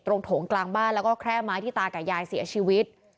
โถงกลางบ้านแล้วก็แคร่ไม้ที่ตากับยายเสียชีวิต